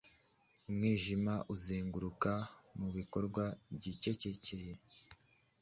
Umwijima, uzenguruka mubikorwa byicecekeye: